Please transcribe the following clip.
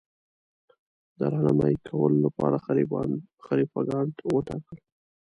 د رهنمايي کولو لپاره خلیفه ګان وټاکل.